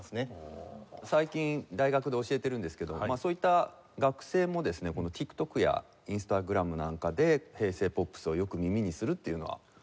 最近大学で教えているんですけどそういった学生もですねＴｉｋＴｏｋやＩｎｓｔａｇｒａｍなんかで平成ポップスをよく耳にするっていうのは聞いています。